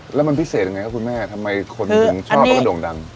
แล้วมันพิเศษยังไงครับคุณแม่ทำไมคนถึงชอบแล้วก็โด่งดัง